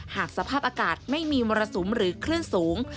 หากสภาพอากาศไม่มีมรสุมหรือคลื่นสูง